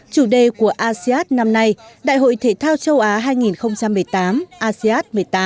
chủ đề của asean năm nay đại hội thể thao châu á hai nghìn một mươi tám asean một mươi tám